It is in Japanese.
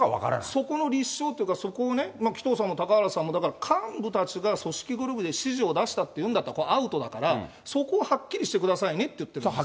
そこの立証というか、そこをね、紀藤さんも嵩原さんも、だから幹部たちが組織ぐるみで指示を出したっていうんだったら、アウトだから、そこをはっきりしてくださいねって言ってるんです。